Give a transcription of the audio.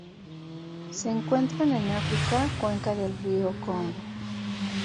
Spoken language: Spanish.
Se encuentran en África: cuenca del río Congo